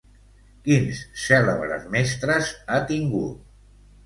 Quins cèlebres mestres ha tingut?